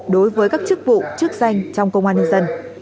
đối với các chức vụ chức danh trong công an nhân dân